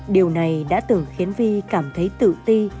điều này đã từng khiến vi cảm thấy tự ti